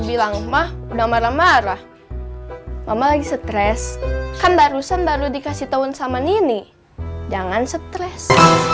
bilang mah udah marah marah mama lagi stres kan barusan baru dikasih tahu sama nini jangan stres